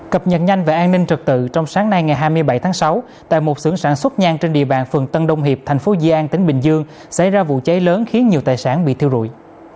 cập nhật nhanh về an ninh trật tự trong sáng nay ngày hai mươi bảy tháng sáu tại một sưởng sản xuất nhang trên địa bàn phường tân đông hiệp thành phố di an tỉnh bình dương xảy ra vụ cháy lớn khiến nhiều tài sản bị thiêu rụi